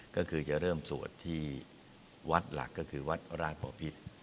ก็คือจะเริ่มสวดที่วัดหลักก็คือวัดราชบอพิษ